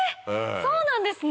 そうなんですね！